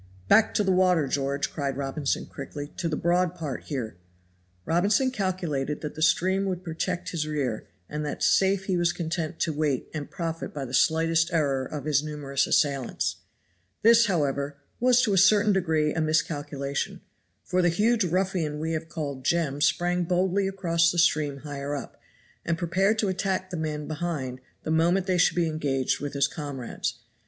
"Back to the water, George," cried Robinson quickly, "to the broad part here." Robinson calculated that the stream would protect his rear, and that safe he was content to wait and profit by the slightest error of his numerous assailants; this, however, was to a certain degree a miscalculation, for the huge ruffian we have called Jem sprang boldly across the stream higher up and prepared to attack the men behind, the moment they should be engaged with his comrades.